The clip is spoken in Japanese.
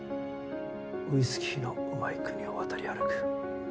ウイスキーのうまい国を渡り歩く。